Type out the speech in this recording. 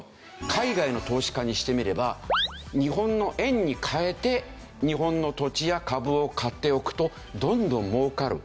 海外の投資家にしてみれば日本の円に替えて日本の土地や株を買っておくとどんどん儲かる。